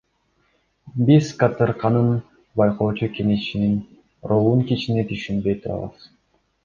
Биз КТРКнын байкоочу кеңешинин ролун кичине түшүнбөй турабыз.